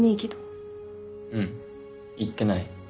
うん言ってない。